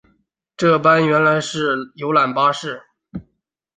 这班原来是游览巴士